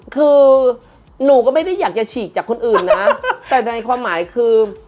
คือหนูก็ไม่ได้อยากจะฉีกจากคนอื่นนะแต่ในความหมายคือ